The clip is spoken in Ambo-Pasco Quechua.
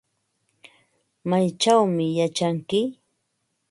¿Maychawmi yachanki?